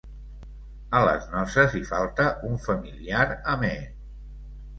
A les noces hi falta un familiar amè.